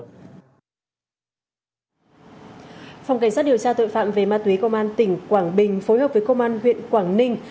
phòng cảnh sát điều tra tội phạm về ma túy công an tỉnh quảng bình phối hợp với công an huyện quảng ninh